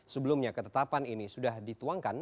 sebelumnya ketetapan ini sudah dituangkan